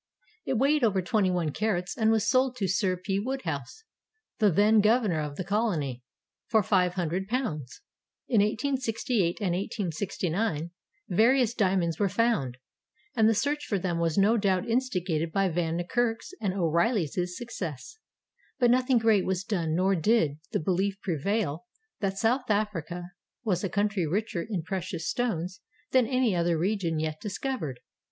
It weighed over 21 carats and was sold to Sir P. Wodehouse, the then Governor of the Colony, for £500. In 1868 and 1869 various diamonds were found, and the search for them was no doubt instigated by Van Niekerk's and O'Reilly's success; but nothing great was done nor did the behef prevail that South Africa was a country richer in precious stones than any other region yet discovered.